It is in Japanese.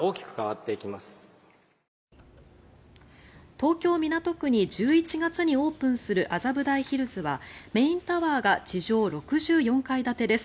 東京・港区に１１月にオープンする麻布台ヒルズはメインタワーが地上６４階建てです。